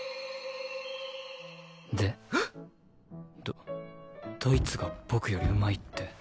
どどいつが僕よりうまいって？